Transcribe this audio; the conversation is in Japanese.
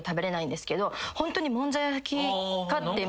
ホントにもんじゃ焼きかって。